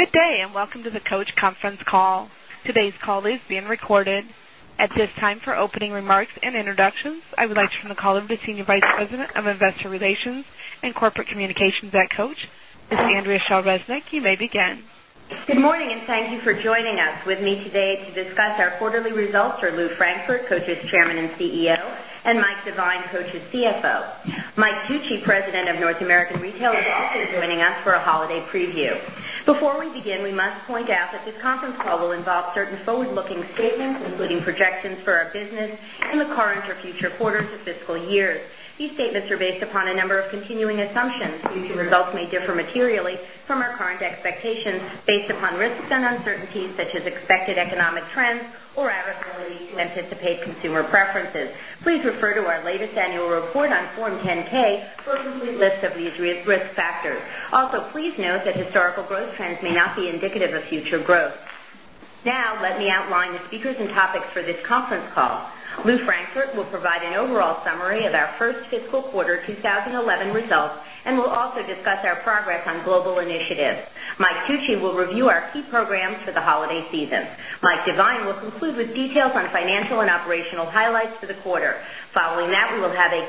Good day, and welcome to the Coach Conference Call. Today's call is being recorded. At this time, for opening remarks and introductions, I would like to turn the call over to Senior Vice President of Investor Relations and Corporate Communications at Coach, Ms. Andrea Schell Resnick. You may begin. Good morning, and thank you for joining us. With me today to discuss our quarterly results are Lou Frankfurt, Coach's Chairman and CEO and Mike Devine, Coach's CFO. Mike Tucci, President of North American Retail is also joining us for a holiday preview. Before we begin, we must point out that this conference call will involve certain forward looking statements, including projections for our business in the current or future quarters and fiscal years. These statements are based upon a number of continuing assumptions. Future results may differ These results may differ materially from our current expectations based upon risks and uncertainties, such as expected economic trends or our ability to anticipate consumer preferences. Please refer to our annual report on Form 10 ks for a complete list of these risk factors. Also, please note that historical growth trends may not be indicative of future growth. Let me outline the speakers and topics for this conference call. Lou Frankfort will provide an overall summary of our 1st fiscal quarter 2011 results and will also discuss our progress on global initiatives. Mike Tucci will review our key programs for the holiday season. Mike Devine will conclude with details on financial and operational highlights for the quarter. Following that, we will have a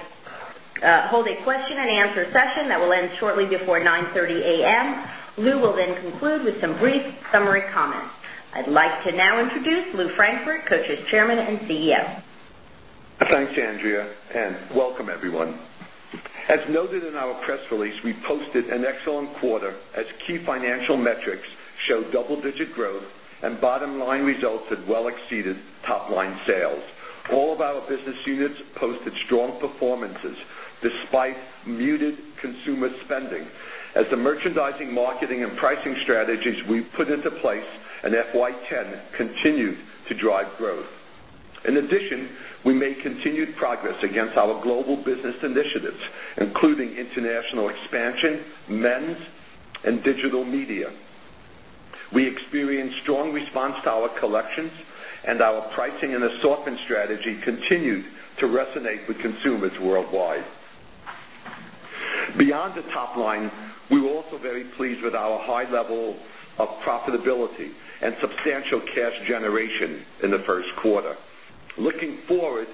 hold a question and answer session that will end shortly before 9 30 am. Lou will then conclude with some brief summary comments. I'd like to now introduce Lou Frankfort, Coach's Chairman and CEO. Thanks, Andrea, and welcome, everyone. As noted in our press release, we posted an excellent quarter as key financial metrics show double digit growth and bottom line results have well exceeded top line sales. All of our business units posted strong performances despite muted consumer spending as the merchandising, marketing and pricing strategies we put into place in FY 'ten continued to drive growth. In addition, we made continued progress against our global business initiatives, including international expansion, men's and digital media. We experienced strong response to our collections and our pricing in the assortment strategy continued to resonate with consumers worldwide. Beyond the top line, we were also very pleased with our high level of profitability and substantial cash generation in the Q1. Looking forward,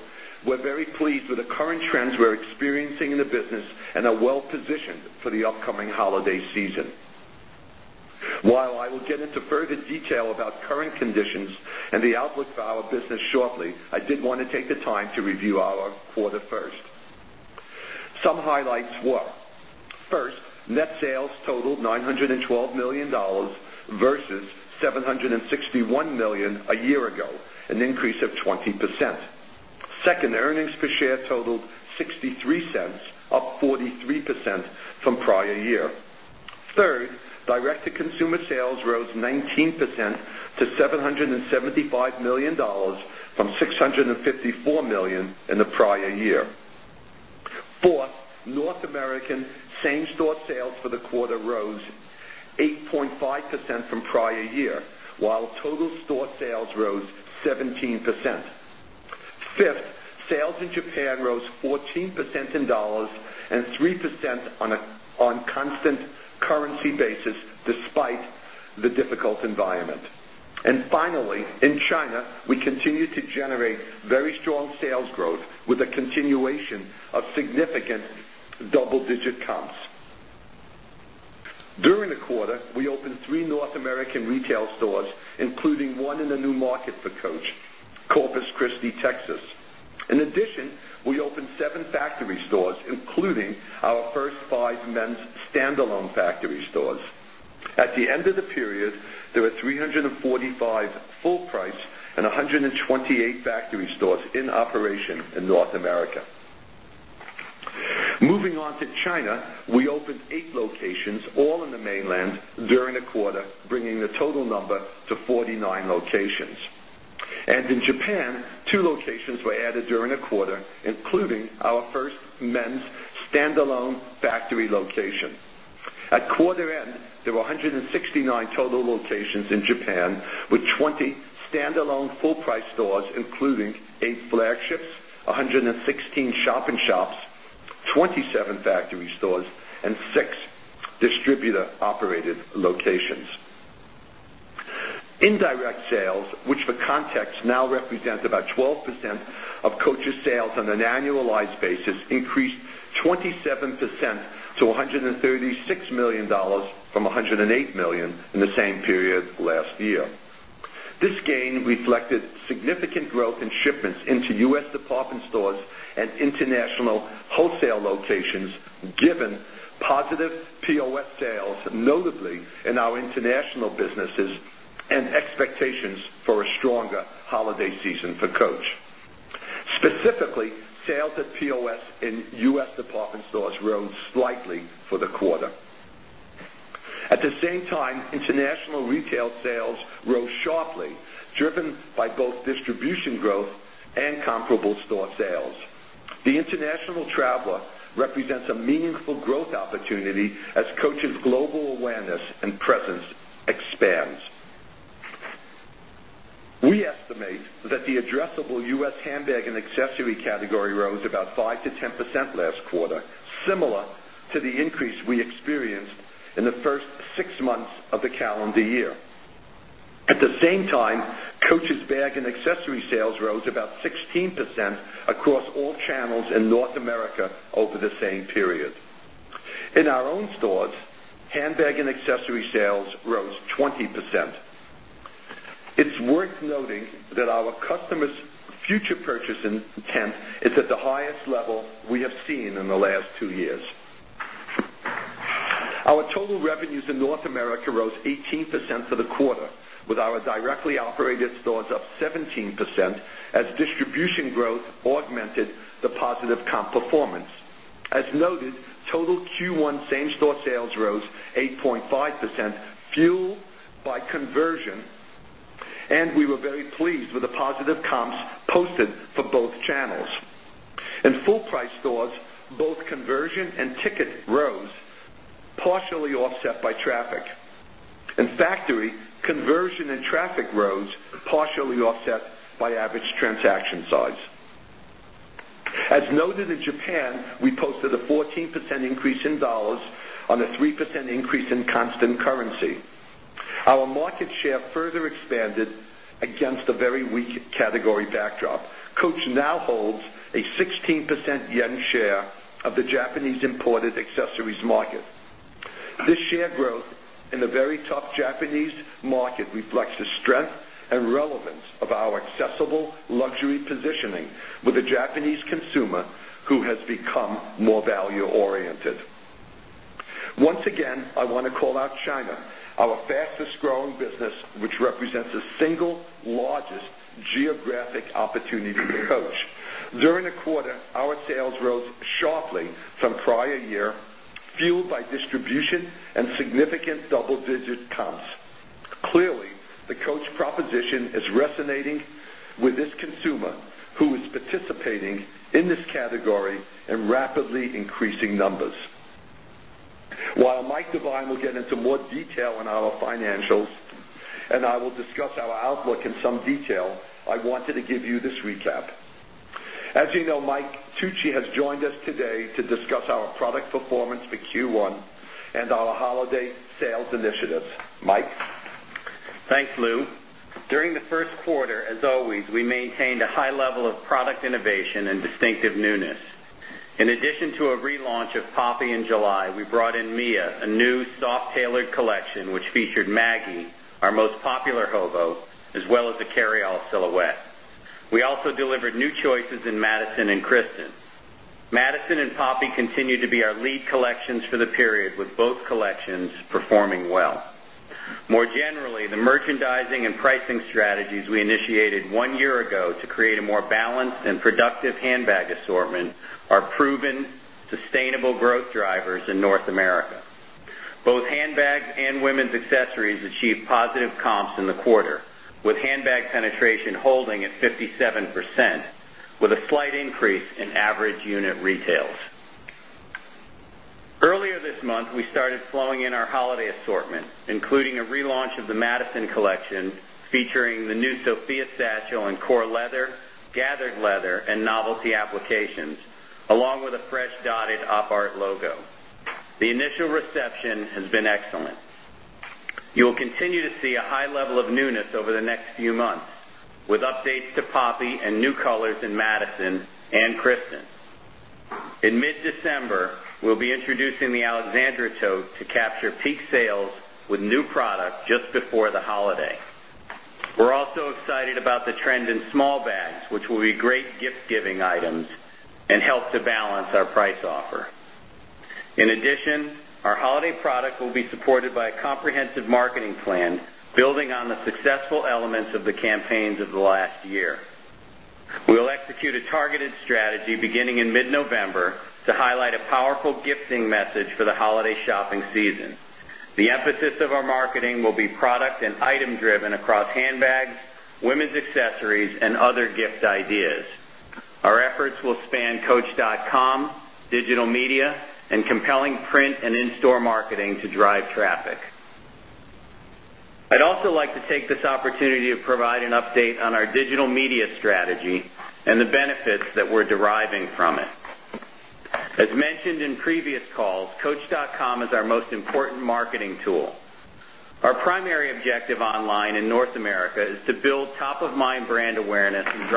we very pleased with the current trends we're experiencing in the business and are well positioned for the upcoming holiday season. While I will get into further detail about current conditions and the outlook for our business shortly, I did want to take the time to review our Q1. Some highlights were: 1st, net sales totaled $912,000,000 versus 7.6 $1,000,000 a year ago, an increase of 20%. 2nd, earnings per share totaled 0 point 6 $3 up 43% from prior year. 3rd, direct to consumer sales rose 19% to 7 $75,000,000 from 654,000,000 in the prior year. 4th, North American same store sales for the quarter rose 17%. 5th, sales in Japan rose 14% in dollars and 3% on constant currency basis despite the difficult environment. And finally, in China, we continue generate very strong sales growth with a continuation of significant double digit comps. During the quarter, we opened 3 North American retail stores, including 1 in the new market for Coach, Corpus Christi, Texas. In addition, we opened 7 factory stores, including our first 5 men's standalone factory stores. The North America. Moving on to China, we opened 8 locations all in the mainland during the the quarter, including our 1st men's standalone factory location. At quarter end, there were 169 total locations in Japan with 20 standalone full price stores including 8 flagships, 116 shop in shops, 27 factory stores and 6 distributor operated locations. Indirect sales, which for context now represents about 12% of Coach's sales on an annualized basis increased POS sales notably in our international businesses and expectations for a stronger holiday for a stronger holiday season for Coach. Specifically, sales at POS in U. S. Department stores rose slightly for the quarter. At the same time, international retail sales rose sharply driven by both distribution growth and comparable store sales. The international traveler represents a meaningful growth opportunity as Coach's global awareness and presence expands. We estimate that the addressable U. S. Handbag and accessory category rose about 5% similar to the increase we experienced in the 1st 6 months of the calendar year. At the same time, coaches bag and accessory sales rose about 16% across all channels in North America over the same period. In our own stores, handbag and accessory sales rose 20%. It's worth noting that our customers' future purchase intent is at the highest level we have seen in the last 2 years. Our total revenues in North America rose 18% for the quarter with our directly operated stores up 17% as distribution growth augmented the positive comp performance. As noted, for both channels. In Full Price stores, both conversion and ticket rose partially offset by rose partially offset by traffic. In factory, conversion and traffic rose partially offset by average transaction size. As noted in Japan, we posted a 14% increase in dollars on a 3% increase in constant currency. Our market share further expanded against a very weak category backdrop. Coach now holds a 16% yen of the strength and relevance of our accessible luxury positioning with the Japanese consumer who has become more value oriented. Once again, I want to call out China, our fastest growing business, which represents the single largest geographic opportunity to During the quarter, our sales rose sharply from prior year fueled by distribution and significant double digit comps. Clearly, the coach proposition is resonating with this consumer who is more detail on our financials and I will discuss our outlook in some detail, I wanted to give you this recap. As you know, Mike Tucci has joined us today to discuss our product performance for Q1 and our holiday sales initiatives. Mike? Thanks, Lew. During the Q1, as always, we maintained a high level of product innovation and distinctive newness. To a relaunch of Poppy in July, we brought in Mia, a new soft tailored collection which featured Maggie, our most popular hobo as well as the carry All silhouette. We also delivered new choices in Madison and Kristen. Madison and Poppy continued to be our for the period with both collections performing well. More generally, the merchandising and pricing strategies we initiated 1 year ago to create a drivers in North America. Both handbags and women's accessories achieved positive comps in the quarter with handbag penetration holding at 57% with a slight increase in average unit retails. Earlier this month, we started flowing in our holiday assortment, including a relaunch of the Madison collection featuring the new Sofia satchel in core leather, gathered leather and novelty applications along with a fresh dotted OpArt logo. The initial reception has been excellent. You will continue to see a high level of newness over the next few months with updates to Poppy and new colors in Madison and Kristen. In mid December, we'll be introducing the Alexandra tote to capture peak sales with new product just before the holiday. We're also excited about the trend in small bags, which will be great gift giving items and help to balance our price offer. In addition, our holiday product will be supported by a comprehensive marketing plan building on the successful elements of the campaigns of the last year. We will execute a targeted strategy beginning in mid November to highlight a powerful gifting message for the holiday shopping season. The emphasis of our marketing will be product and item driven across handbags, women's accessories and other gift ideas. Our efforts will span coach.com, digital media and compelling print and in store marketing to drive traffic. I'd also like to take this opportunity to provide an update on our digital media strategy and the benefits that we're deriving from it. As mentioned in previous calls, coach.com is our most important marketing tool. Our primary objective online in North America is to build top of mind brand awareness and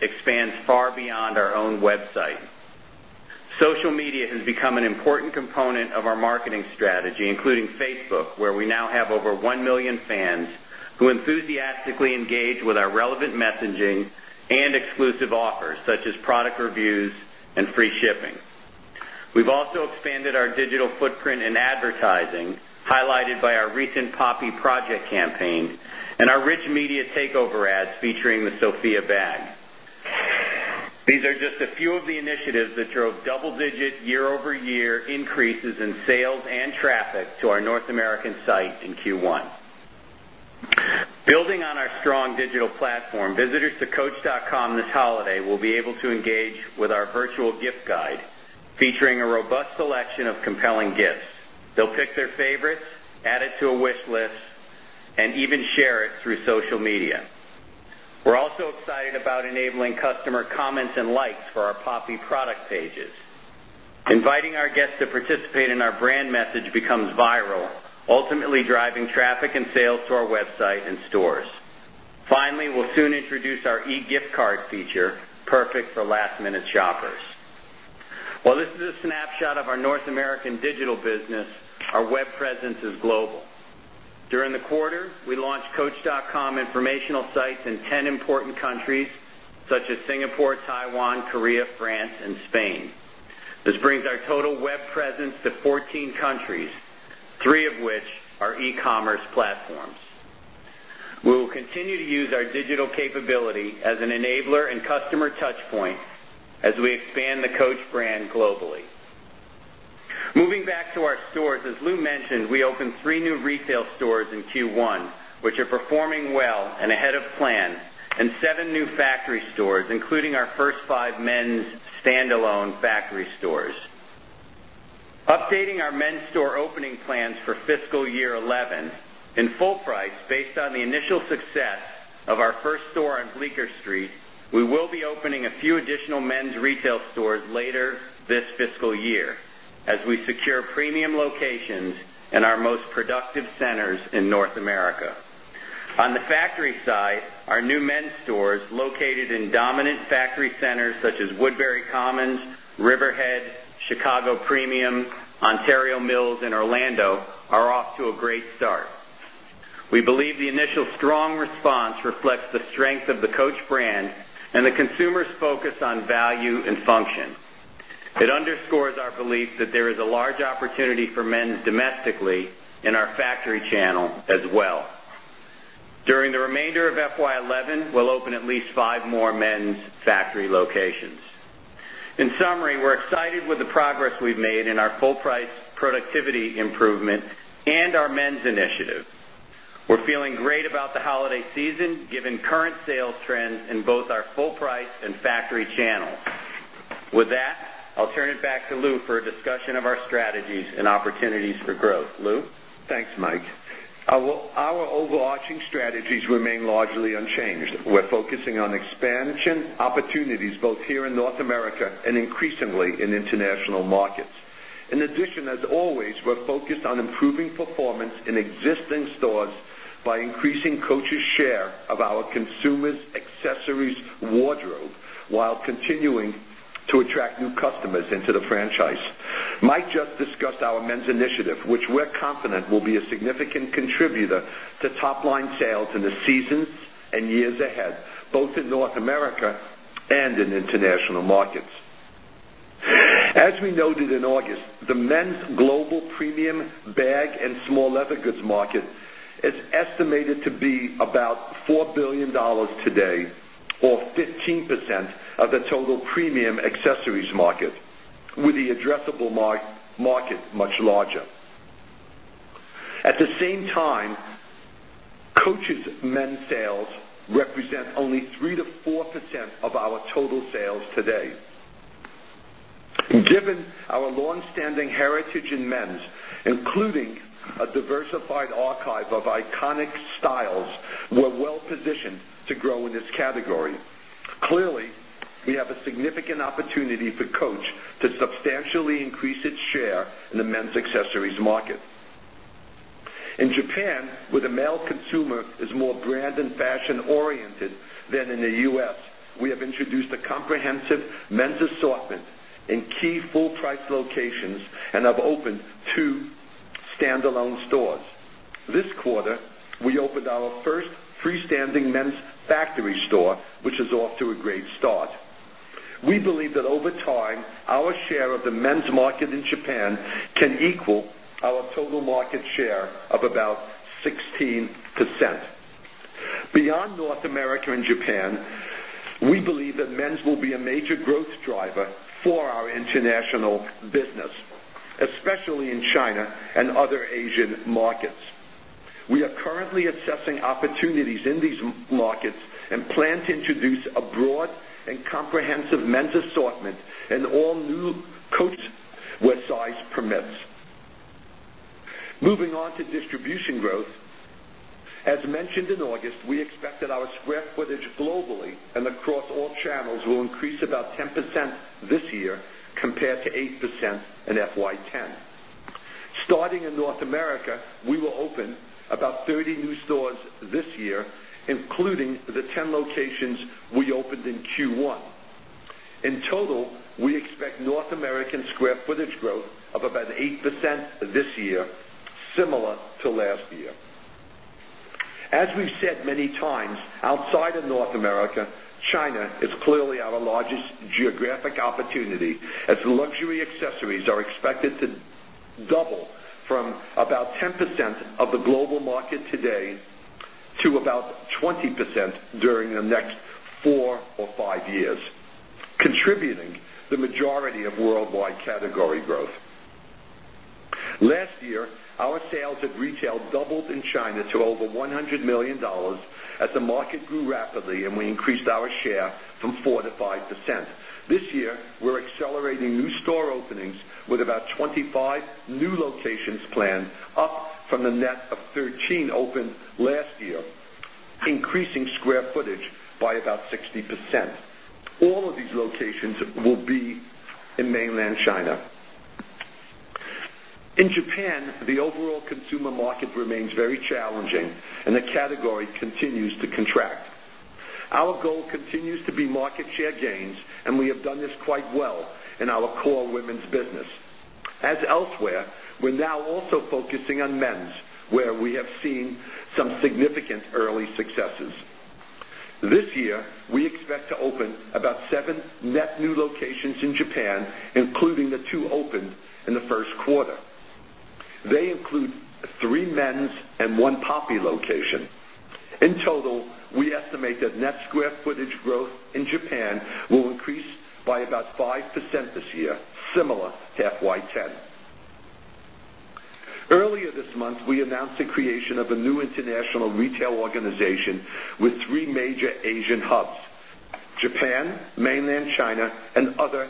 expands far beyond our own website. Social media has become an important component of our marketing strategy, including Facebook, where we now have over 1,000,000 fans who enthusiastically engage with our relevant messaging and exclusive offers such as product reviews and free shipping. We've also expanded our digital footprint and advertising highlighted by our recent Poppy project campaign and our rich media takeover ads featuring the Sofia bag. These are just a few of the initiatives that drove double digit year over year increases in sales and traffic to our North American site in Q1. Building on our strong digital platform, visitors to coach.com this holiday will be able to engage with our virtual gift guide featuring a robust selection of compelling gifts. Pick their favorites, add it to a wish list and even share it through social media. We're also excited about enabling customer comments and likes for our Poppy product pages. Inviting our guests to participate in our brand message becomes viral, ultimately driving traffic and sales to our website and stores. Finally, we'll soon introduce our e gift card feature, perfect for last minute shoppers. While this is a snapshot of our North American digital business, our web presence is global. During the quarter, we launched coach.com informational sites in 10 important countries such as Singapore, Taiwan, Korea, France and Spain. This brings our total web presence to 14 countries, 3 of which are e commerce platforms. We will continue to use our digital capability as an enabler and customer touch point as we expand the Coach brand globally. Moving back to our stores. As Lou mentioned, we opened 3 new retail stores in Q1, which are performing well and ahead of plan and 7 new factory factory stores, including our first five men's standalone factory stores. Updating our men's store opening plans for fiscal year 'eleven in full price based on the initial success of our first store on Bleecker Street, we will be opening a few additional men's in strong response reflects the strength of the Coach brand and the strong response reflects the strength of the Coach brand and the consumer's focus on value and function. It underscores our belief that there is a large opportunity for men's domestically in our factory channel as well. During the remainder of FY2011, 'eleven, we'll open at least 5 more men's factory locations. In summary, we're excited with the progress we've made in our Full Price productivity improvement and our men's initiative. We're feeling great about the holiday season given current sales trends in both our Full Price and Factory channels. With that, I'll turn it back to Lou for a discussion of our strategies and opportunities for growth. Lou? Thanks, Mike. Our overarching strategies remain largely unchanged. We're focusing on expansion opportunities both here in North America and increasingly in international markets. In addition, as always, we're focused on improving performance in existing stores by increasing Coach's share of our consumers' accessories wardrobe while continuing to attract new customers into the franchise. Mike just discussed our men's initiative, which we're and in international markets. As we noted in August, the men's global premium bag and small leather goods market is estimated to be about $4,000,000,000 today or 15% of the total premium accessories the men's sales represent only 3% to 4% of our total sales today. Well positioned to grow in this category. Clearly, we have a significant opportunity for Coach to substantially increase its share in the men's accessories market. In Japan, where the male consumer is more brand and fashion oriented than in introduced a comprehensive men's assortment in key full price locations and have opened 2 stand alone stores. This quarter, we opened our 1st freestanding men's factory store, which is off to a great start. We believe that over time, our share of the men's market in Japan can equal our total market share of about 16%. Beyond North America percent. Beyond North America and Japan, we believe that men's will be a major growth driver for our international business, especially in China and other Asian markets. We are currently assessing opportunities in these markets and plan to introduce a broad and comprehensive men's assortment and all on to distribution growth. As mentioned in August, we expect that our square footage globally and across all channels will increase about 10% this year compared to 8% in FY 'ten. Starting in North America, we will open about 30 new stores this year, including the 10 locations we opened in Q1. In total, we said many times, outside of North America, China is clearly our largest geographic opportunity as luxury accessories are are expected to double from about 10% of the global market today to about 20% during the next 4 or 5 years, contributing the majority of worldwide category growth. Last year, our sales at retail doubled in China to over $100,000,000 as the market grew rapidly and we increased our share from 4% to 5%. This year, to 5%. This year, we're accelerating new store openings with about 25 new locations planned, up from the net of 13 opened last year, increasing square footage by about 60%. All of these locations will be in Mainland China. In Japan, the overall consumer market remains very challenging and the category continues to contract. Our goal continues to be market share gains and we have done this quite well in our core women's business. As elsewhere, we're now also focusing on men's where we have seen some significant early successes. This year, we expect open about 7 net new locations in Japan, including the 2 opened in the Q1. They include 3 men's and 1 poppy location. In total, we estimate that net square footage growth in Japan will increase by about 5% this year, similar to FY 'ten. Earlier this month, we announced the creation of a new international retail organization with 3 major Asian hubs Japan, Mainland China and other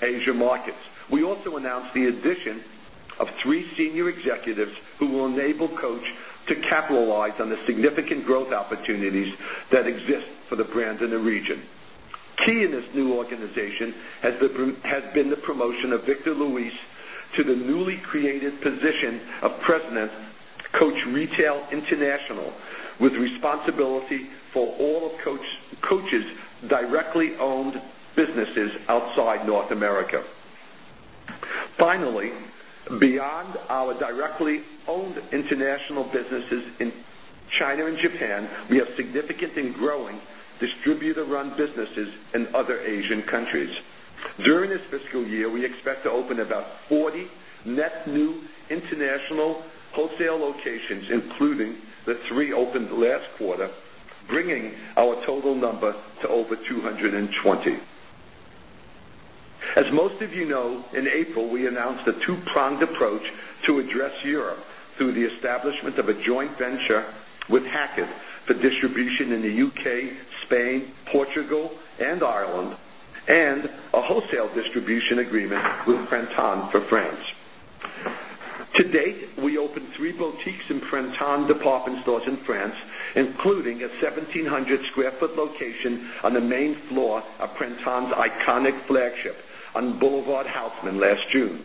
Asia markets. We also announced the addition of 3 senior executives who will enable Coach to capitalize on the significant growth opportunities that exist for the brands in the region. Key in this new organization has been the promotion of Victor Luis to the newly created position of President, Coach Retail International with responsibility for all of Coach's directly owned businesses outside North America. Finally, beyond our directly owned owned international businesses in China and Japan, we have significant and growing distributor run businesses in other Asian countries. During this fiscal year, we expect to open about 40 net new international wholesale locations including the 3 opened last quarter, bringing our total number to over 220. As most of you know, in April, we announced a 2 pronged approach to address Europe through the establishment of a joint venture with Hackett for distribution in the UK, Spain, Portugal and Ireland and a wholesale distribution agreement with Printon department stores in France, including a 1700 square foot location on the main floor of Printon's iconic flagship on Boulevard House in last June.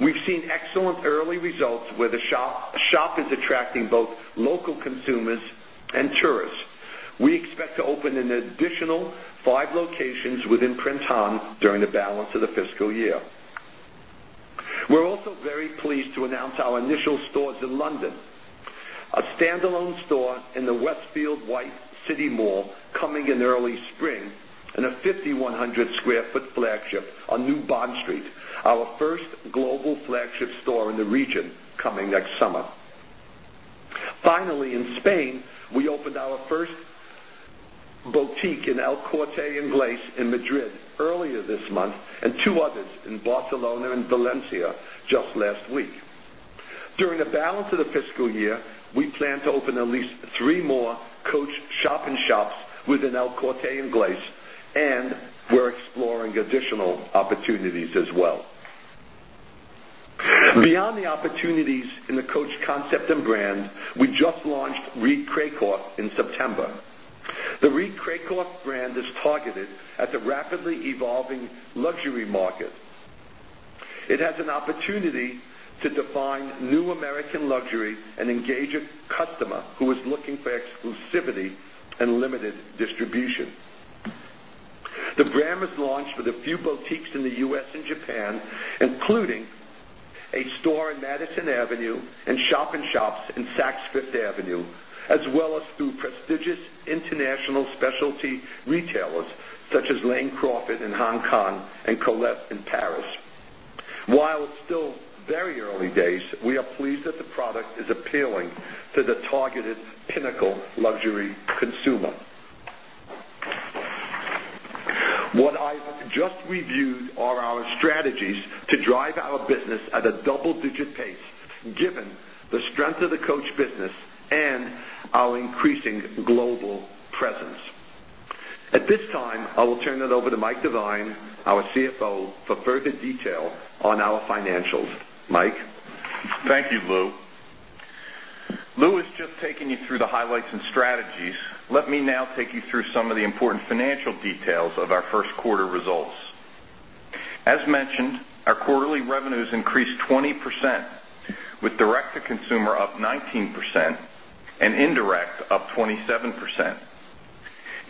We've seen excellent early results where the shop is attracting both local consumers and tourists. We expect to open an additional 5 locations within PrintOn during the balance of the fiscal year. We're also very pleased to announce our initial stores in London, a standalone store in the Westfield White City Mall coming in early spring and a 5,100 Square Foot Flagship on New Bond Street, our first global flagship store in the region coming next summer. Finally, in Spain, we opened our first boutique in El Corte Ingles in Madrid earlier this month and 2 others in Barcelona and Valencia just last week. During the balance of the fiscal year, we plan to open at least 3 more Coach shop in shops within El Corte Ingles and we're exploring additional opportunities as well. Beyond the opportunities in the Coach concept and brand, we just launched The Reed Craycorp brand is targeted at the rapidly evolving luxury market. It has an opportunity to define new American luxury and engage a customer who is looking for exclusivity a store in Madison a store in Madison Avenue and shop in shops in Saks Fifth Avenue as well as through prestigious international specialty retailers such as Lane Crawford in Hong Kong and Colette in Paris. While it's still very early days, we are pleased that the product is appealing to the targeted pinnacle luxury consumer. What I just reviewed are our strategies to drive our business at a double digit pace given the strength of the Coach business and our increasing global presence. At this time, I will turn it over to Mike Devine, our CFO for further detail on our financials. Mike? Thank you, Lou. Lou is just taking you through the highlights and strategies. Let me now take you through some of the important financial details of our Q1 results. As mentioned, our quarterly revenues increased 20% with direct to consumer up 19% and indirect up 27%.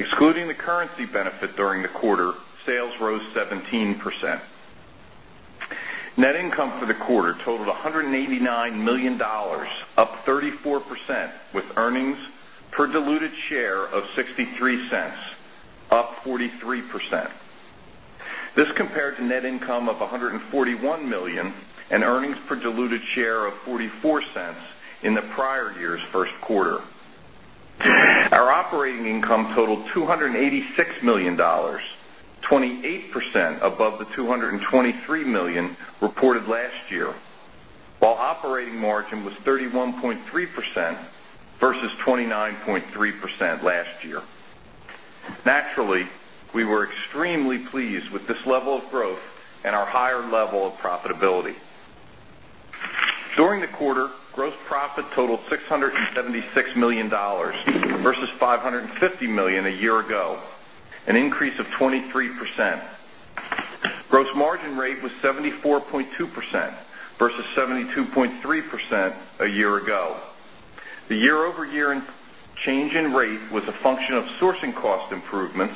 Excluding the currency benefit during the quarter, sales rose 17%. Net income for the quarter totaled $189,000,000 up 34% with earnings per diluted share of $0.63 up 43%. This compared to net income of $141,000,000 and earnings per diluted share of $0.44 in the prior year's Q1. Our operating income totaled $286,000,000 28% above the $223,000,000 reported last year, while operating margin was 31.3 percent versus 29.3% last year. Naturally, we were extremely pleased with this level of growth and our higher level of profitability. During the quarter, gross profit totaled 670 $6,000,000 versus $550,000,000 a year ago, an increase of 23%. Gross margin rate was 74.2 percent versus 72.3 percent a year ago. The year over year change in rate was a function of sourcing cost improvements,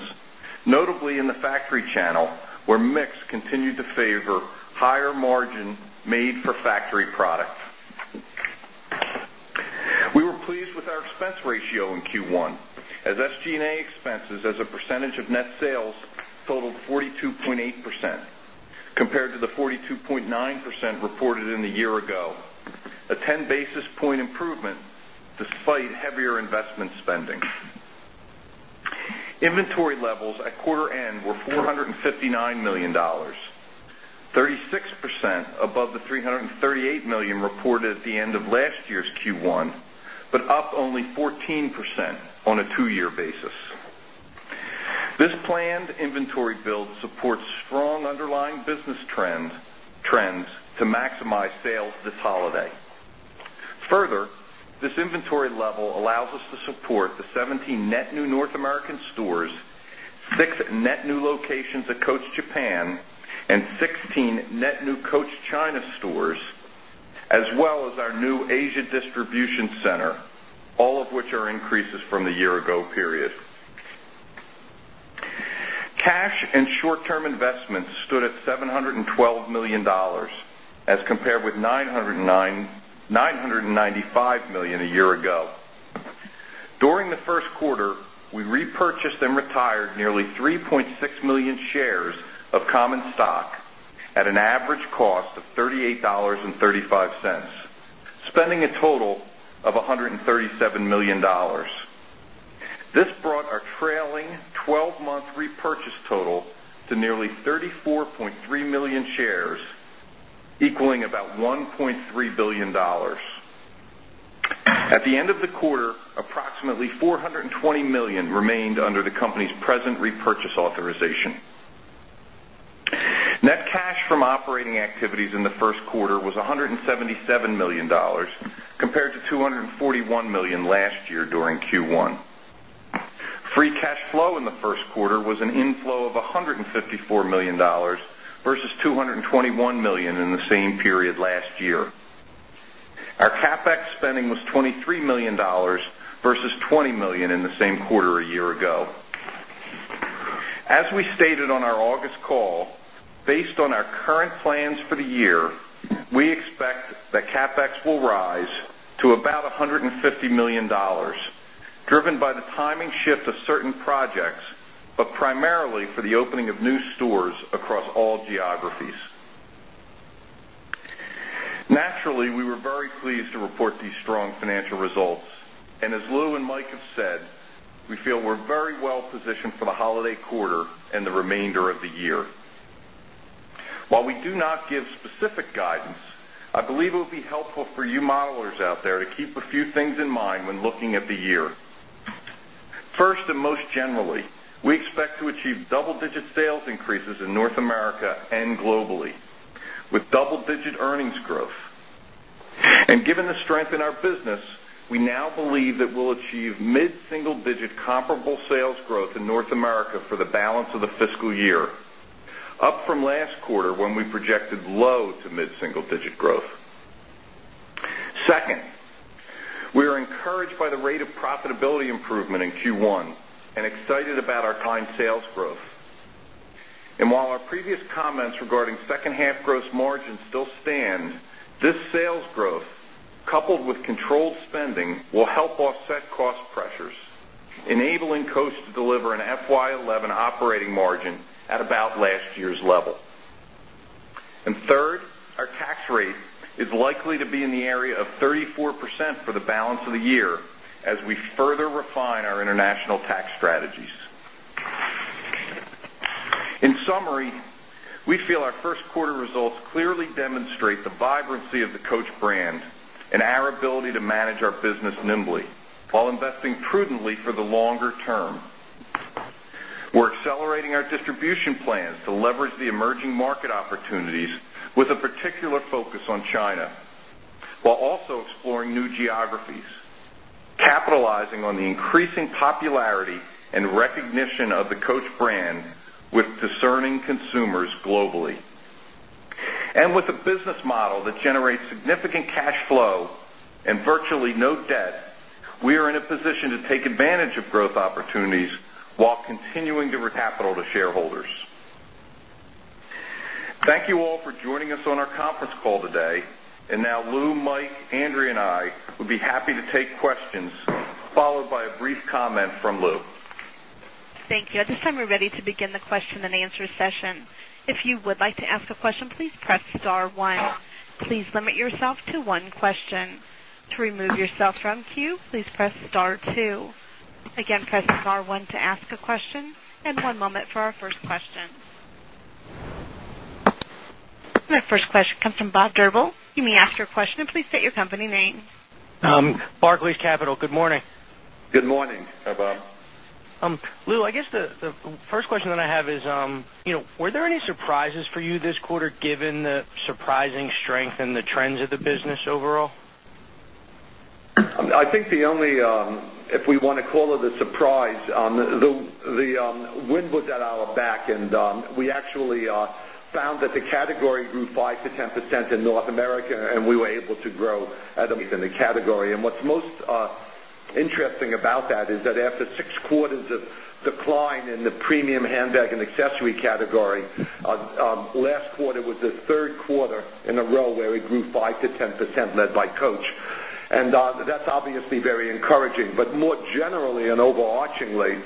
notably in the factory channel where mix continued to favor higher margin made for factory product. We were pleased with our expense ratio in Q1 as SG and A expenses as a percentage of net sales totaled 42.8% compared to the 42.9 percent reported in the year ago, a 10 basis point improvement despite heavier investment spending. Inventory levels at quarter end were $459,000,000 36% above the $338,000,000 reported at the end of last year's Q1, planned to support the 17 net new North American stores, and 16 net new Coach China stores as well as our new Asia distribution center, all of which are increases from the year ago period. Cash and short term investments stood at 712 $1,000,000 as compared with $995,000,000 a year ago. During the Q1, we repurchased and dollars spending a total of $137,000,000 This brought our trailing 12 month repurchase total to nearly 34,300,000 shares equaling about $1,300,000,000 At the end of the quarter, approximately $420,000,000 remained under the company's present repurchase authorization. Net cash from operating activities in the Q1 was $177,000,000 compared to $241,000,000 last year during Q1. Free cash flow in the Q1 was an inflow of $154,000,000 versus 221 $1,000,000 in the same period last year. Our CapEx spending was $23,000,000 versus $20,000,000 in the same quarter a year ago. As we stated on our August call, based on our current plans for the year, we expect that CapEx will rise to about $150,000,000 driven by the timing shift of Naturally, we were very pleased to report these strong financial results. And as Lou and Mike have said, we feel we're very well positioned the holiday quarter and the remainder of the year. While we do not give specific guidance, I believe it will be helpful for you modelers out there to keep a few things in mind when looking at the year. 1st and most generally, we expect to achieve double digit sales increases in North America and globally with double digit earnings growth. And given the strength in our business, we now believe that we'll achieve mid single digit comparable sales growth in North America for the balance of the fiscal year, up from last quarter when we projected low to mid single digit growth. 2nd, we are encouraged by the rate of profitability improvement in Q1 and excited about our client sales growth. And while our previous comments regarding second half gross margin still enabling Coast to deliver an FY 2011 operating margin at about last year's level. And third, our tax rate is likely to be in the area of 34% for the balance of the year as we further refine our demonstrate the vibrancy of the Coach brand and our ability to manage our business nimbly, while investing prudently for the longer term. We're accelerating our distribution plans to leverage the emerging market opportunities a particular focus on China, while also exploring new geographies, capitalizing on the increasing popularity and recognition of the Coach brand with discerning consumers globally. And with a business model that generates significant cash flow and virtually no debt, we are in a position to take advantage of growth opportunities while continuing to capital to shareholders. Thank you all for joining us on our conference call today. And now Lou, Mike, Andrea and I would be happy to take questions followed by a brief comment from Lou. Thank you. At this time, we're ready to begin the question and answer session. Our first question comes from Bob Drbul. You may ask your question and please state your company name. Barclays Capital. Good morning. Good morning. Hi, Bob. Lou, I guess the first question that I have is, were there any surprises for you this quarter given the surprising strength in the trends of the business overall? I think the only if we want to call it a surprise, the win was at our back and we actually found that the category grew 5% to 10% in North America, and we were able to grow the 3rd quarter in a row where we grew 5% to 10% led by Coach. And that's obviously very encouraging. But more generally and overarchingly,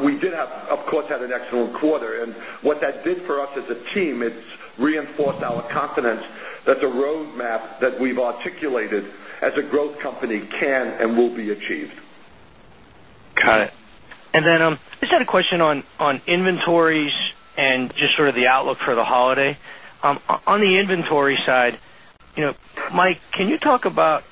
we did have, of course, had an excellent quarter. And what that did for us as a team, it reinforced our confidence that the road map that we've articulated as a growth company can and will be achieved. Got it. And then, I just had a question on inventories and just sort of the outlook for the holiday. On the inventory side, Mike, can you talk about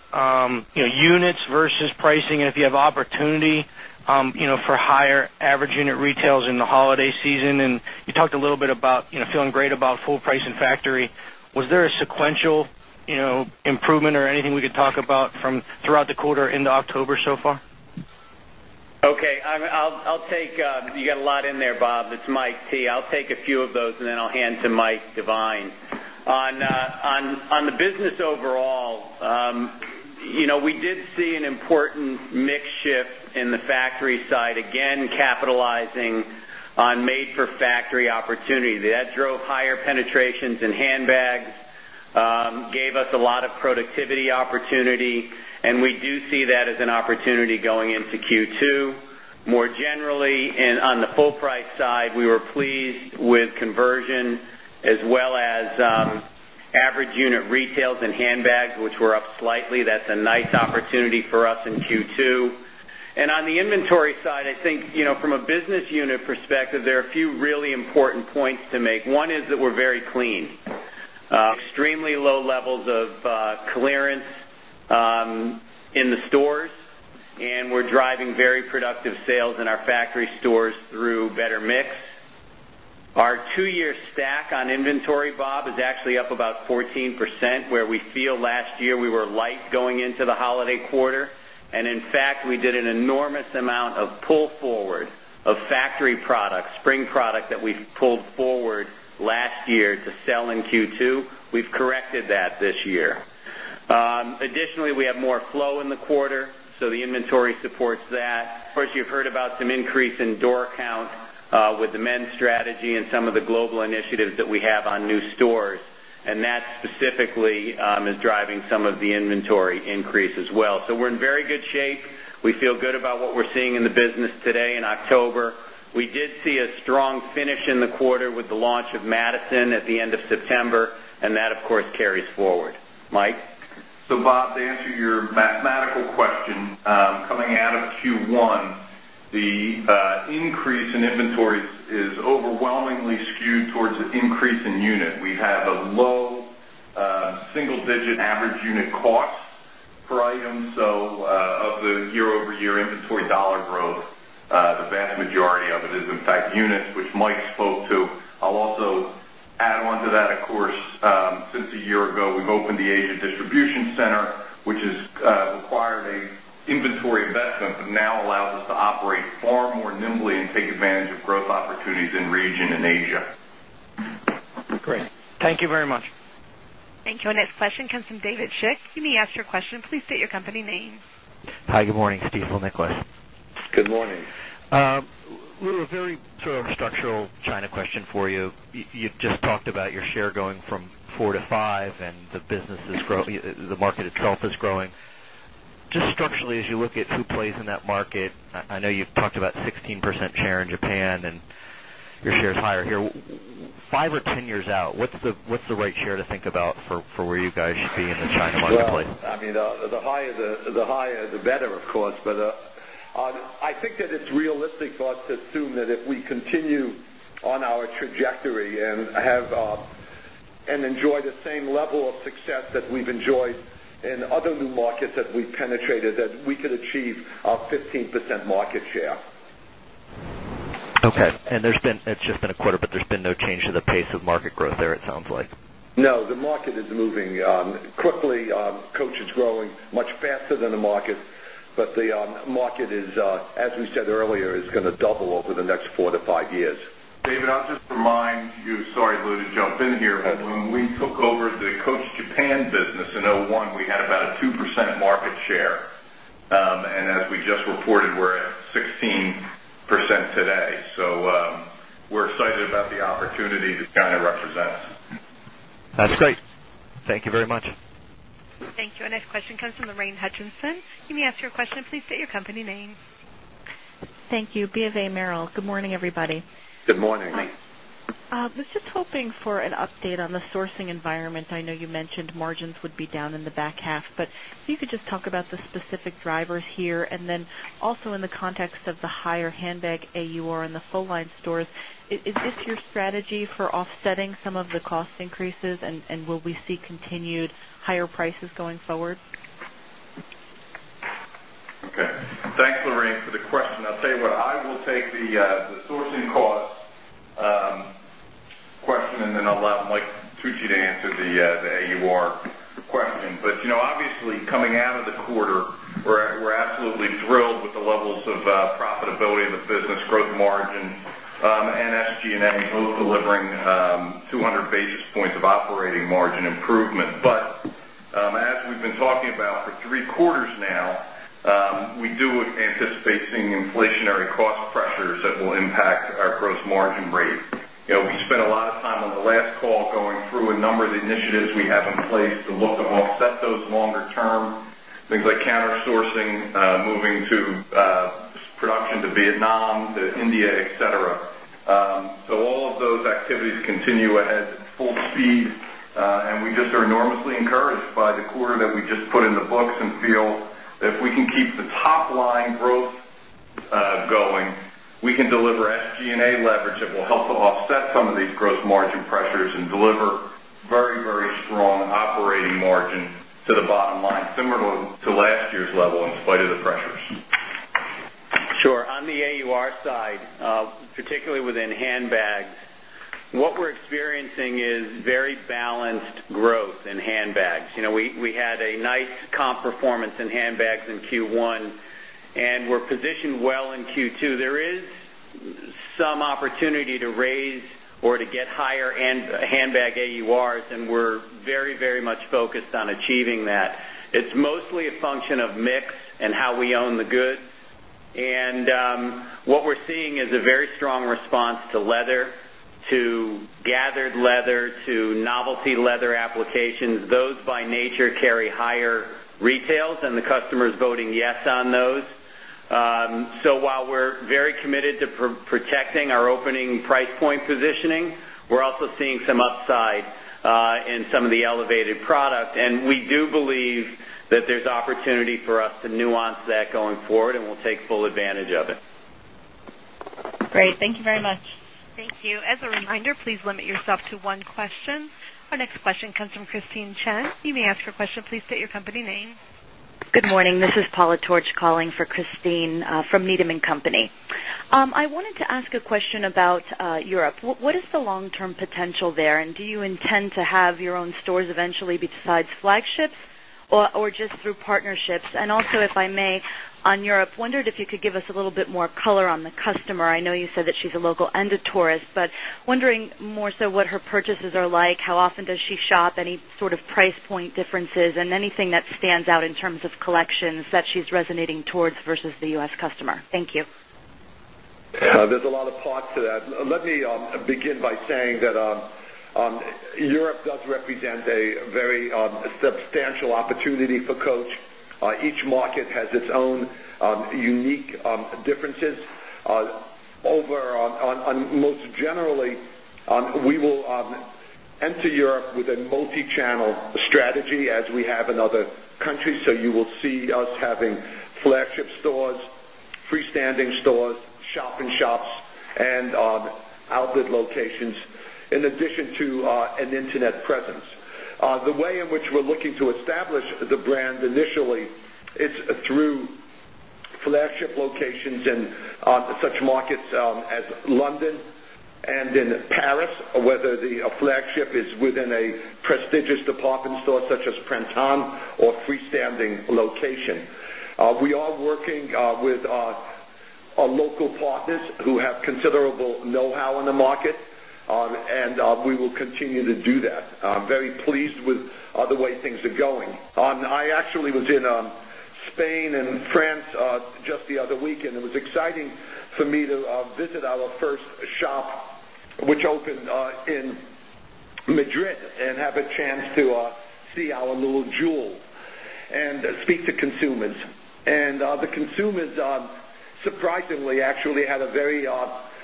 units versus pricing and if you have opportunity for higher average unit retails in the holiday season? And you talked a little bit about feeling great about full price in factory. Was there a sequential improvement or anything we could talk about from throughout the quarter into October so far? Okay. I'll take you got a lot in there, Bob. It's Mike Tee. I'll take a few of those and then I'll hand to Mike Devine. On the business overall, we did see an factory side, again capitalizing on made for factory opportunity. That drove higher penetrations in handbags, productivity opportunity and we do see that as an opportunity going into Q2. More generally, on the full price side, we were pleased with conversion as well as average unit retails and handbags, which were up slightly. That's a nice opportunity for us in Q2. And on the inventory side, I think from a business unit perspective, there are a few important points to make. One is that we're very clean, extremely low levels of clearance in the stores and we're driving very productive sales in our factory stores through better mix. Our 2 year stack on inventory, Bob, is actually up about 14% where we feel last year we were light going into the holiday quarter. And in fact, we did an enormous amount of pull forward of factory products, spring product that we've pulled forward last year to sell in Q2. We've corrected that this year. Additionally, we have more flow in the quarter. So the inventory supports that. Of course, you've heard about some increase in door count with the men's strategy and some of the global initiatives that we have on new stores. And that specifically is driving some of the inventory increase as well. So we're in very good shape. We feel good about what we're seeing in the business today in October. We did see a strong finish in the quarter with the launch of Madison at the end of September and that of increase in inventory is overwhelmingly skewed towards an increase in unit. We have a low single digit average unit cost per item. So of the year over year inventory dollar growth, the vast majority of it is in fact units which Mike spoke to. I'll also add on to that, of course, since a year ago, we've opened the Asia distribution center, which has required a inventory investment, but now allows us to operate far more nimbly and take advantage of growth opportunities in region and Asia. Great. Thank you very much. Thank you. Our next question comes from David Schick. You may ask your question. Please state your company name. Hi, good morning, Stifel and Nikolas. Good morning. A very sort of structural China question for you. You've just talked about your share going from 4% to 5% and the business is growing the market itself is growing. Just structurally as you look at who plays in that market, I know you've talked about 16% share in Japan and your shares higher here. 5 or 10 years out, what's the right share to think about for where you guys should be in the China market rally? I mean, the higher the better, of course. But I think that it's realistic for us to assume that if we continue on our trajectory and have and enjoy the same level of success that we've enjoyed in other new markets that we've penetrated that we could achieve our 15% market share. Okay. And there's been it's just been a quarter, but there's no change to the pace of market growth there it sounds like? No, the market is moving quickly. Coach is growing much faster than the market, but the market is, as we said earlier, is going to over the Coach Japan business in 'one, we had about a 2% market share. And as we just reported, we're excited about the opportunity this kind of represents. That's great. Thank you very much. Thank you. Our next question comes from Lorraine Hutchinson. You may ask your question. Please state your company name. Thank you. BofA Merrill. Good morning, everybody. Good morning. I was just hoping for an update on the sourcing environment. I know you mentioned margins would be down in the back half, but if you could just talk about the specific drivers here? And then also in the context of the higher handbag AUR in the full line stores, is this your strategy for offsetting some of the cost increases and will we see continued higher prices going forward? Okay. Thanks, Lorraine for the question. I'll tell you what, I will take the sourcing cost question and then I'll allow Mike Tucci to answer the AUR question. But obviously coming out of the quarter, we're absolutely thrilled with the levels of profitability of the business, gross margin and SG and A, we're delivering 200 basis points of operating margin improvement. But as we've been talking about for 3 quarters now, we do anticipate seeing inflationary cost pressures that will impact our gross margin rate. We spent a lot of time on the last call going through a number of the initiatives we have in place to look to offset those longer term things like counter sourcing moving to production to Vietnam, the India, etcetera. So all of those activities continue ahead at full speed and we just are enormously encouraged by the quarter that we just put in books and feel that we can keep the top line growth going. We can deliver SG and A leverage that will help to offset some of these gross margin pressures and deliver very, very strong operating margin to the bottom line similar to last year's level in spite of the pressures. Sure. On the AUR side, particularly within handbags, what we're experiencing is very balanced growth in handbags. We had a nice comp performance in handbags in Q1 and we're positioned in Q2. There is some opportunity to raise or to get higher handbag AURs and we're very, very much focused on very strong response to leather, to gathered leather, to novelty leather applications. Those by nature carry higher retails and the customer is voting yes on those. So while we're very committed to protecting our opening price point positioning, we're also seeing some upside in some of the elevated product. And we do believe that there's opportunity for us to nuance that going forward and we'll take full advantage of it. Great. Thank you very much. Thank you. Our next question comes from Christine Chen. You may ask your question. Please state your company name. Good morning. This is Paula Torch calling for Christine from Needham and Company. I wanted to ask a question about Europe. What is the long term potential there? And do you intend to have your own stores eventually besides flagships or just through partnerships? And also if I may on Europe, wondered if you could give us a little bit more color on the customer. I know you said that she's a local and a tourist, but wondering more so what her purchases are like, how often does she shop, any sort of price point differences and anything that stands out in terms of collections that she's resonating towards versus the U. S. Customer? Thank you. There's a lot of parts to that. Let me begin by saying that Europe does represent a very Over on most generally, we will enter Europe with a multichannel strategy as we have in other countries. So you will see us having flagship stores, freestanding stores, shop in shops and outlet locations in addition to an Internet presence. The way in which we're looking to establish the brand initially is through flagship locations in such markets as London and in Paris, whether the flagship is within a prestigious department store such as PrintOn or freestanding location. We are working with our local partners who have considerable know how in the market, and we will continue to do that. I'm very pleased with the way things are going. I actually was in Spain and France just the other week and it was exciting for me to visit our first shop, which opened in Madrid and have a chance to see our little jewel and speak to consumers. And the consumers surprisingly actually had a very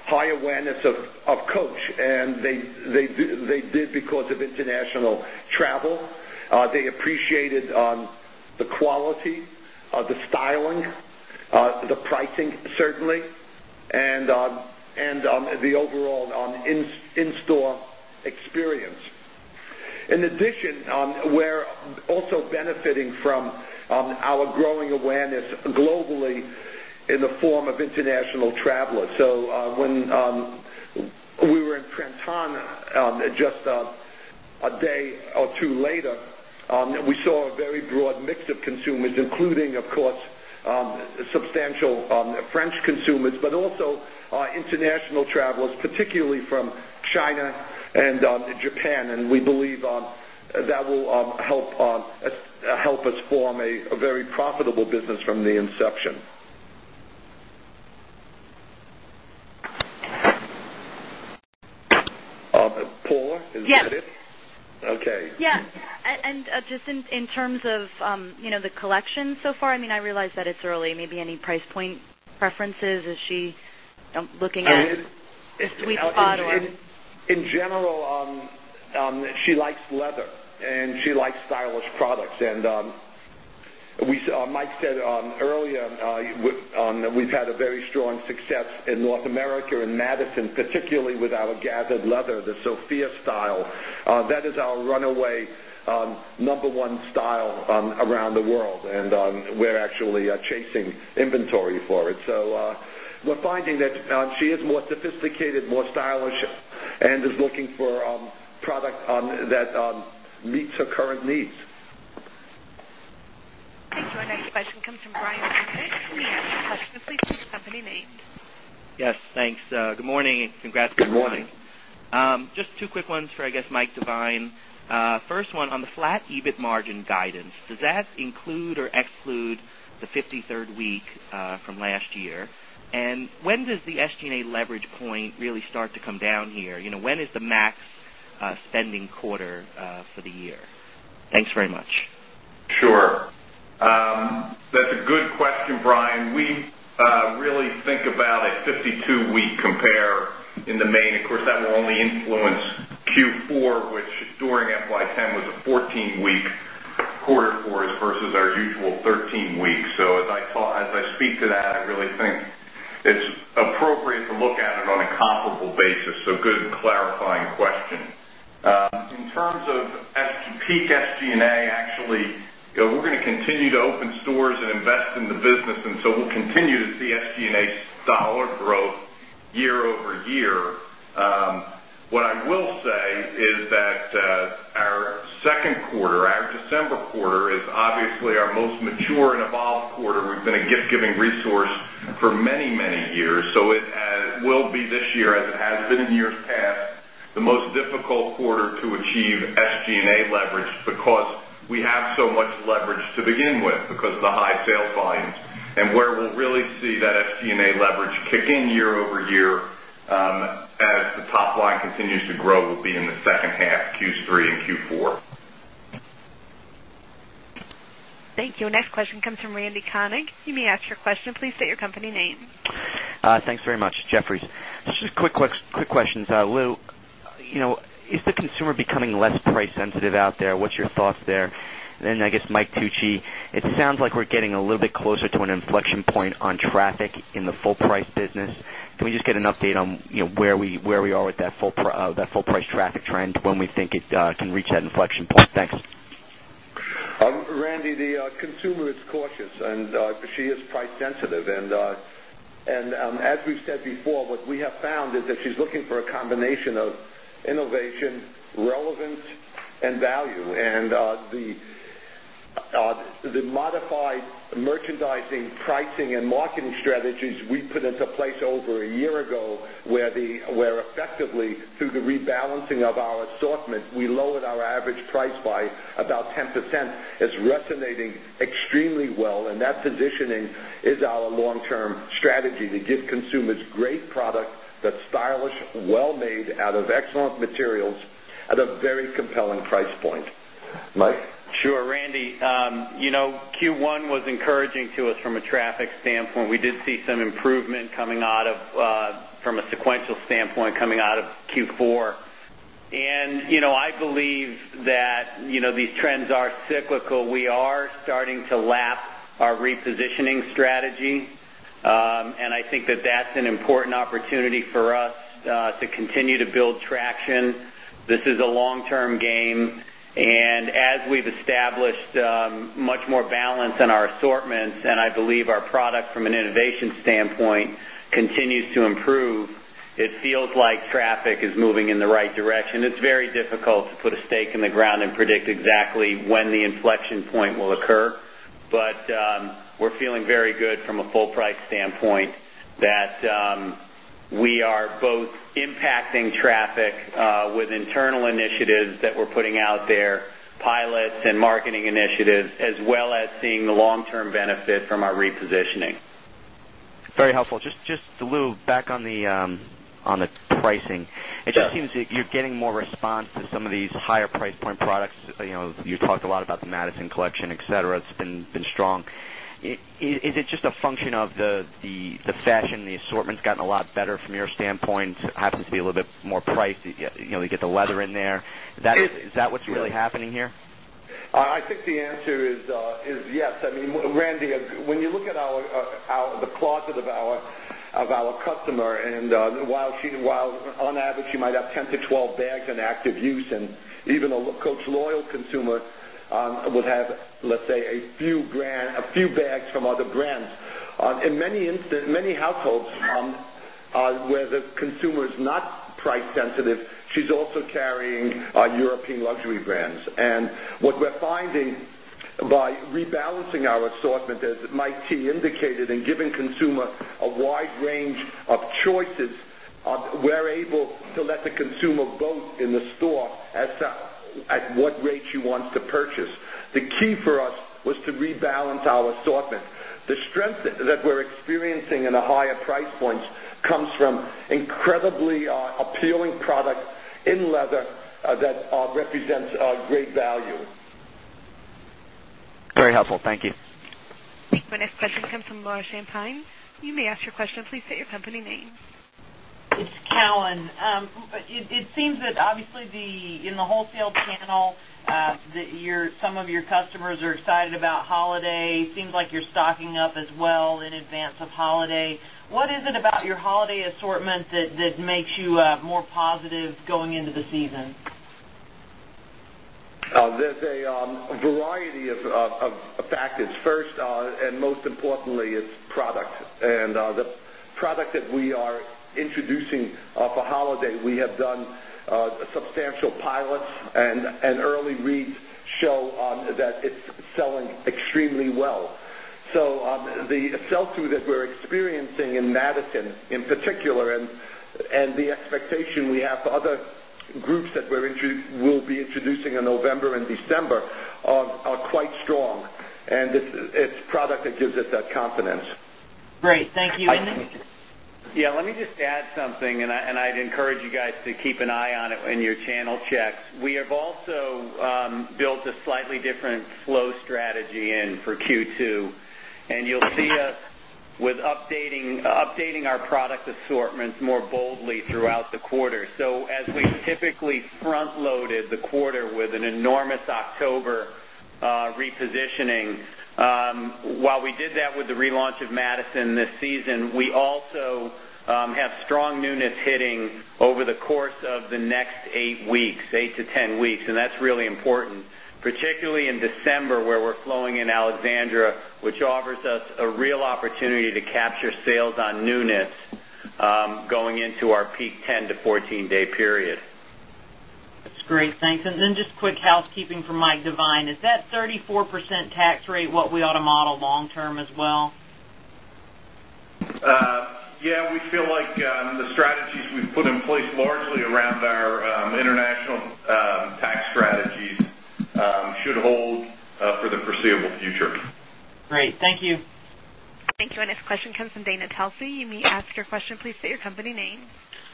high awareness of Coach and they did because of international travel. They appreciated the quality, the styling, the pricing certainly and the overall in store experience. In addition, we're also benefiting from our growing awareness globally in the form of international travelers. So when we were in Trenton just a day or 2 later, we saw a very broad mix of consumers, including, of course, substantial French consumers, but also international travelers, particularly from China and Japan, and we believe that will help us form a very profitable business from the inception. Poor, is that it? Yes. Okay. Yes. And just in terms of the collection so far, I mean, I realize that it's early, maybe any price point preferences? Is she looking at sweet spot or? In general, she likes leather and she likes stylish products. And we Mike said earlier, we've had a very strong success in North America and Madison, particularly with our gathered leather, the Sofia style, that is our we're actually we're actually chasing inventory for it. So we're finding that she is more sophisticated, more stylish and is looking for product that meets her current needs. Thank you. Our next question comes from Brian Essex. You may have your question please. Your company name. Yes, thanks. Good morning. Congrats. Good morning. Good morning. Just two quick ones for I guess Mike Devine. First one, on the flat EBIT margin guidance, does that include or exclude the 53rd week from last year? And when does the SG and A leverage point really start to come down here? When is the max spending quarter for the year? Thanks very much. Sure. That's a good question, Brian. We really think about a 52 week compare in the main, of course, that will only influence Q4, which during FY 'ten was a 14 week quarter for us versus our usual 13 weeks. So as I thought as I speak to that, I really think it's appropriate to look at it on a comparable basis. So good clarifying question. In terms of peak SG and A, actually, we're going to continue to open stores and invest in the business and so we'll continue to see SG and A dollar growth year over year. What I will say is that our Q2, our December quarter is obviously our most mature and evolved quarter. We've been a gift giving resource for many, many years. So it will be this year as it has been in years past, the most difficult quarter to achieve SG and A leverage because we have so much leverage to begin with because of the high sales volumes. And where we'll really see that SG and A leverage kick in year over year as the top line continues to grow will be in the second half Q3 and Q4. Thank you. Jefferies. Just quick questions. Lou, is the consumer becoming less price sensitive out there? What's your thoughts there? And then I guess Mike Tucci, it sounds like we're getting a little bit closer to an inflection point on traffic in the full price business. Can we just get an update on where we are with that full price traffic trend when we think it can reach that inflection point? Thanks. Randy, the consumer is cautious and she is price sensitive. And as we've said before, what we have found is that she's looking for a combination of innovation, relevance and value. And the modified merchandising, pricing and marketing strategies we put into place over a year ago, where the where effectively through the rebalancing of our assortment, we lowered our average price by about 10% is resonating extremely well and that positioning is our long term strategy to give consumers great product that's stylish, well made out of excellent materials at a very compelling price point. Mike? Sure. Randy, Q1 was encouraging to us from a traffic standpoint. We see some improvement coming out of from a sequential standpoint coming out of Q4. And I believe that these trends are cyclical. We are starting to lap our repositioning strategy. And I think that that's an important opportunity for us to continue to build traction. This is a long term game. And as we've established much more balance in our assortments, and I believe our product from an innovation standpoint continues to improve, it feels like traffic is moving in the right direction. It's very difficult to put a stake in the ground and predict exactly when the inflection point will occur. But we're feeling very good from a full price out there, pilots and marketing initiatives as well as seeing the long term benefit from our repositioning. Very helpful. Just a little back on the pricing. It just seems that you're getting more response to some of these higher price point products. You talked a lot about the Madison Collection, etcetera, It's been strong. Is it just a function of the fashion, the assortment has gotten a lot better from your standpoint, happens to be a little bit more priced, you get the leather in there. Is that what's really happening here? I think the answer is yes. I mean, Randy, when you look at our the closet of our customer and while on average, you might have 10 to 12 bags in active use and even a Coach loyal consumer would have, let's say, a few brands from other brands. In many households where the consumer is not price sensitive, she's also carrying European luxury brands. And what we're finding by rebalancing our assortment, as Mike T. Indicated and giving consumer a wide range of choices, we're able to let the consumer vote in the store at what rate she wants to purchase. The key for us was to rebalance our assortment. The strength that we're experiencing in the higher price points comes from incredibly appealing product in leather that represents great value. Very helpful. Thank you. Your next question comes from Laura Champine. You may ask your question. Please state your company name. It's Cowen. It seems that obviously the in the wholesale channel that your some of your customers are excited about holiday, seems like you're stocking up as well in advance of holiday. What is it about your holiday that makes you more positive going into the season? There's a variety of factors. 1st and most importantly, it's product. And the product that we introducing for holiday, we have done substantial pilots and early reads show that it's selling extremely well. So the sell through that we're experiencing in Madison in particular and the it's product that gives us that confidence. Great. Thank you. Thank you. Thank you. Thank you. Thank you. Thank you. And it's product that gives us that confidence. Great. Thank you. Yes, let me just add something and I'd encourage you guys to keep an eye on it in your channel checks. We have also built a slightly different flow strategy in for Q2 and you'll see us with updating our product assortments more boldly throughout the quarter. So as we typically this season, we also have strong newness hitting over the course of the next 8 weeks, 8 to 10 weeks. And that's really important, particularly in December where we're flowing in Alexandria, which offers us a real opportunity to capture sales on newness going into our peak 10 to 14 day period. That's great. Thanks. And then just quick housekeeping for Mike Devine. Is that 34% tax rate what we ought to model long term as well? Yes, we feel like the strategies we've put in place largely around our international tax strategies should hold for the foreseeable future. Great. Thank you. Thank you. Our next question comes from Dana Telsey. You may ask your question please for your company name.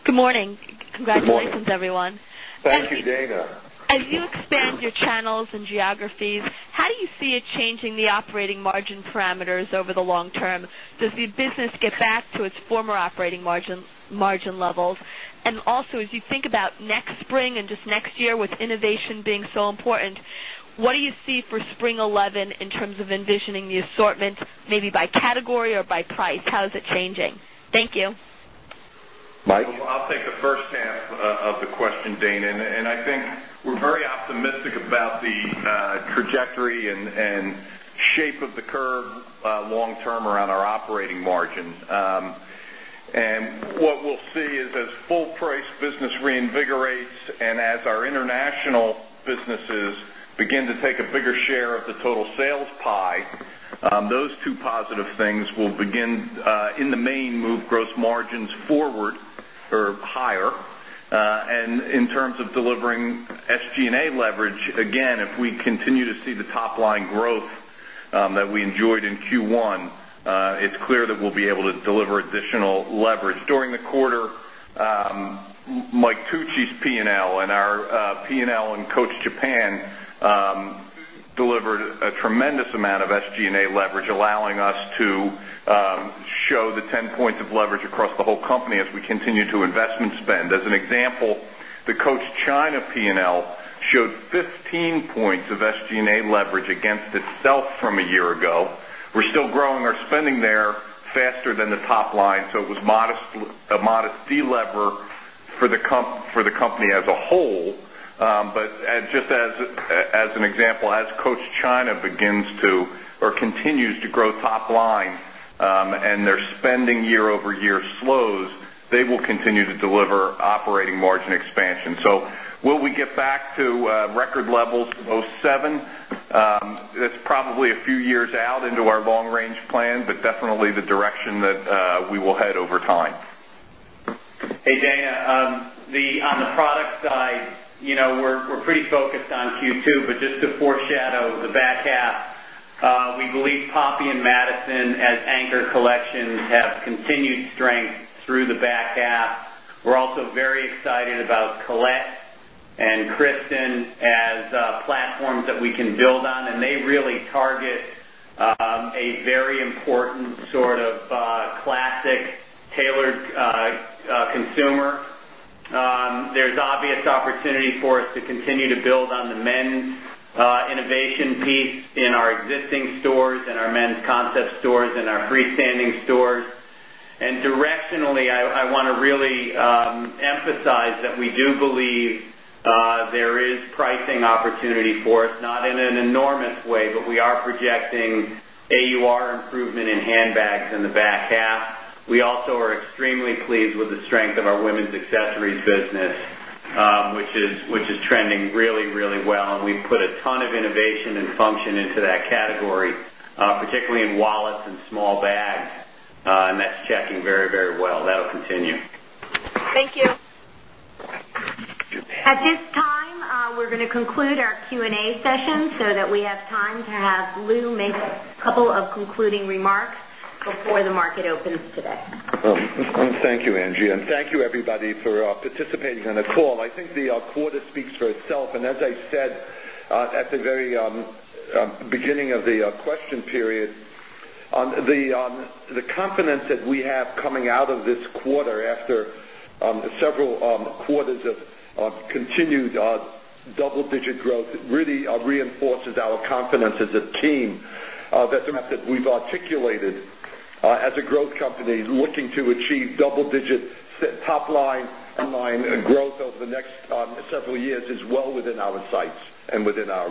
Good morning. Congratulations everyone. Thank you, Dana. As you expand your channels and geographies, how do you see it changing the operating margin parameters over the long term? Does the the business get back to its former operating margin levels? And also as you think about next spring and just next year with innovation being so important, what do you see for spring 2011 in terms of envisioning the assortment maybe by category or by price? How is it changing? Thank you. Mike? I'll take the first half of the question, Dana. And I think we're very optimistic about the trajectory and shape of the curve long term around our operating margin. And what we'll see is as full price business reinvigorates and as our international businesses begin to take a bigger share of the total sales pie, those two positive things will begin in the main move gross margins forward or higher. In terms of delivering SG and A leverage, again, if we continue to see the top line growth that we enjoyed in Q1, it's clear that we'll be able to deliver additional leverage. During the quarter, Mike Tucci's P and L and our P and L in Coach Japan delivered a tremendous amount of SG and A leverage allowing us to show the 10 points of leverage across the whole company as we continue to investment spend. As an example, the Coach China P and L showed 15 points of SG and A leverage against itself from a year ago. We're still growing our spending there faster than the top line. So it was modest a modest delever for the company as a whole. But just as an example, as Coach China begins to or continues to grow top line and their spending year over year slows, they will continue to deliver operating years out into our long range plan, but definitely the direction that we will head over time. Hey, Dana. On the product side, we're pretty focused on Q2, but just to foreshadow the back half, we believe Poppy and Madison as anchor collections have continued strength through the back half. We're also very excited about Colette and Kristen as platforms that we can build on and they really target a very important sort of classic tailored consumer. There's obvious opportunity for us to continue to build on the men's innovation piece in our existing stores and our men's concept stores and our freestanding stores. And directionally, I want to really emphasize that we do believe there is pricing opportunity for us, not in an enormous way, but we are projecting AUR improvement in handbags in the back half. We also are extremely pleased with the strength of our women's accessories business, which is trending really, really well. And we've put a ton of innovation and function into that category, particularly in wallets and small bags, and that's checking very, very well. That will continue. Thank you. At this time, we're going to conclude our Q and A session so that we have time to have Lou make a couple of concluding remarks before the market opens today. Thank you, Angie, and thank you everybody for participating in the call. I think the quarter speaks for itself. And as I said at the very beginning of the question period, the confidence that we have coming out of this quarter after several quarters of continued double digit growth really reinforces our confidence as a team that's a matter that we've articulated as a growth company looking to achieve double digit top line, top line growth over the next several years is well within our sights and within our